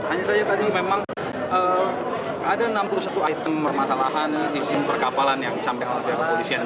hanya saja tadi memang ada enam puluh satu item permasalahan isim perkapalan yang disampaikan oleh pihak kepolisian